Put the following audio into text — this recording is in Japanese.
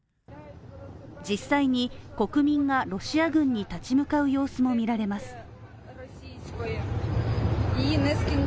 実際に、国民がロシア軍に立ち向かう様子もみられます。